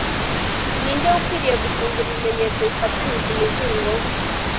ni nde ukwiriye gufungura ibimenyetso bifatanyije umuzingo